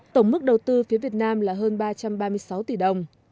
tổng mức đầu tư phía việt nam là hơn ba trăm ba mươi sáu tỷ đồng